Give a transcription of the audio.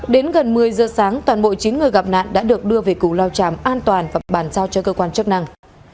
đến gần một mươi giờ sáng toàn bộ chín người gặp nạn đã được đưa về củ lao tràm an toàn và bàn giao cho cơ quan chức năng